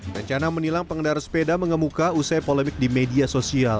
rencana menilang pengendara sepeda mengemuka usai polemik di media sosial